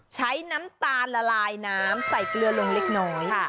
น้ำตาลละลายน้ำใส่เกลือลงเล็กน้อย